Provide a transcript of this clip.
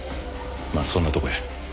まあそんなとこや。